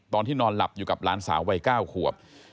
นอนหลับอยู่กับหลานสาววัย๙ขวบ